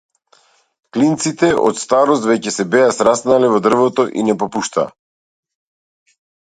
Клинците од старост веќе се беа сраснале во дрвото и не попуштаа.